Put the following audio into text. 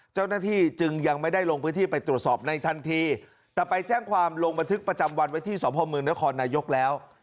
เจ้าหน้าที่จึงยังไม่ได้ลงพื้นที่ไปตรวจสอบในทันทีแต่ไปแจ้งความลงบันทึกประจำวันไว้ที่สพมนครนายกแล้ว